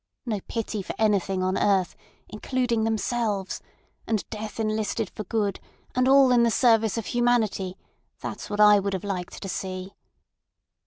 No pity for anything on earth, including themselves, and death enlisted for good and all in the service of humanity—that's what I would have liked to see."